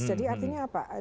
jadi artinya apa